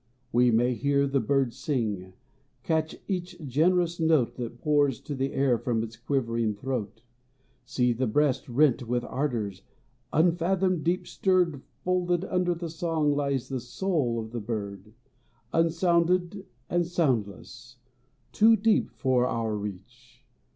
We may hear the bird sing, catch each generous note That pours to the air from its quivering throat, See the breast rent with ardors; unfathomed, deep stirred Folded under the song lies the soul of the bird, Unsounded and soundless, too deep for our reach.